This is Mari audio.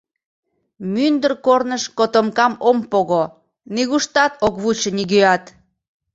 Мӱндыр корныш котомкам ом пого — Нигуштат ок вучо нигӧат.